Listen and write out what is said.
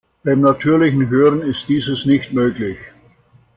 Beim natürlichen Hören ist dieses nicht möglich.